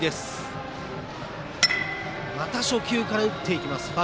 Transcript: また初球から打っていきました。